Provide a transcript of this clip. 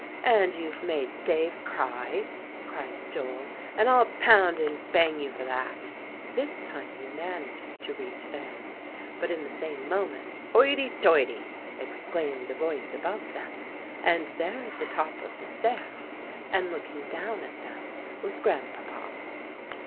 "And you've made Dave cry," cried Joel; "and I'll pound and bang you for that." This time he managed to reach Van; but in the same moment, "Hoity toity!" exclaimed a voice above them; and there at the top of the stairs, and looking down at them, was Grandpapa.